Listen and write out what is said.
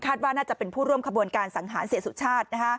ว่าน่าจะเป็นผู้ร่วมขบวนการสังหารเสียสุชาติ